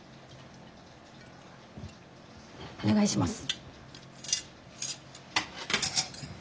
お願いします。